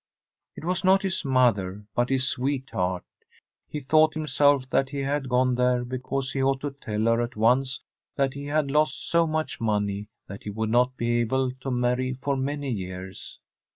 It was not his mother, but his sweetheart. He thought himself that Tbi STORY of a COUNTRY HOUSE he had gone there because he ought to tell her at once that he had lost so much money that he would not be able to marry for many years.